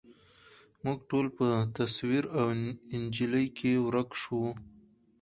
موږ ټول په تصویر او انجلۍ کي ورک شوو